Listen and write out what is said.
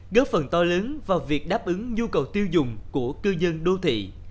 góp phần to lớn vào việc đáp ứng nhu cầu tiêu dùng của cư dân đô thị